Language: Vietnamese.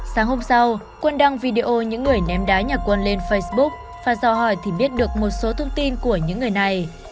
sáng hôm sau quân đăng video những người ném đá nhà quân lên facebook và do hỏi thì biết được một số thông tin của những người này